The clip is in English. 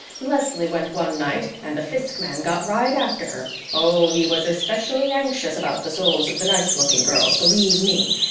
"Leslie went one night and the Fiske man got right after her oh, he was especially anxious about the souls of the nice looking girls, believe me!